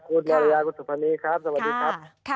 คุณมาริยาคุณสุภานีครับสวัสดีครับ